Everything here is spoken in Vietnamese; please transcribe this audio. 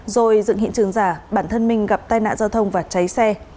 rồi dựng hiện trường giả bản thân mình gặp tai nạn giao thông và cháy xe